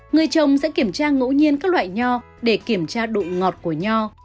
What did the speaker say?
người trồng sẽ kiểm tra ngẫu nhiên các loại nho để kiểm tra độ ngọt của nho